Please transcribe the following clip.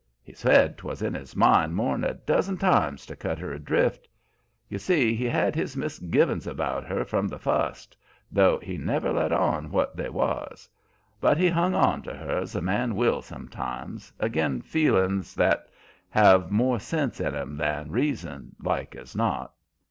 He said 'twas in his mind more 'n a dozen times to cut her adrift. You see he had his misgivin's about her from the fust, though he never let on what they was; but he hung on to her as a man will, sometimes, agin feelin's that have more sense in 'em than reason, like as not.